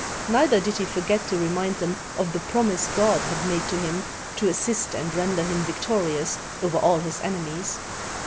Neither did he forget to remind them of the promise God had made to him, to assist and render him victori ous over all his enemies.